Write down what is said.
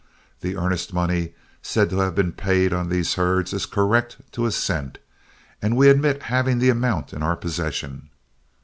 The earnest money, said to have been paid on these herds, is correct to a cent, and we admit having the amount in our possession.